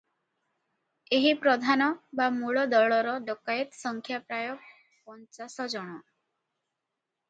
ଏହି ପ୍ରଧାନ ବା ମୂଳ ଦଳର ଡକାଏତ ସଂଖ୍ୟା ପ୍ରାୟ ପଞ୍ଚାଶ ଜଣ ।